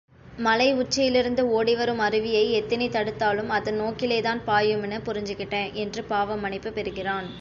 மலை உச்சியிலிருந்து ஓடிவரும் அருவியை எத்தினி தடுத்தாலும் அதன் நோக்கிலேதான் பாயுமின்னு புரிஞ்சுகிட்டேன்! என்று பாவ மன்னிப்பு பெறுகிறான்.